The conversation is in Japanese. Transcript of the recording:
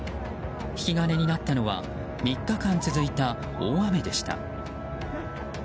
引き金になったのは３日間続いた大雨でした。